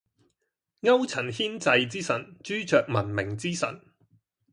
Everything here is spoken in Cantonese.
勾陳牽滯之神，朱雀文明之神